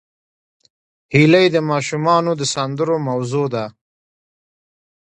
هیلۍ د ماشومانو د سندرو موضوع ده